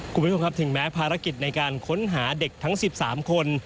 คุณผู้ชมครับถึงแม้ภารกิจในการค้นหาเด็กทั้ง๑๓คน